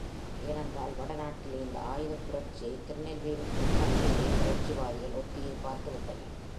ஏனென்றால் வடநாட்டிலே இந்த ஆயுதப் புரட்சியை திருநெல்வேலிக்கு முன்னமேயே புரட்சிவாதிகள் ஒத்திகை பார்த்துவிட்டனர்.